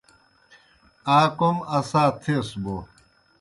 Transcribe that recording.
آ کوْم اسا تھیس بوْ